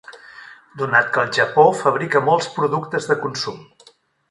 Donat que el Japó fabrica molts productes de consum.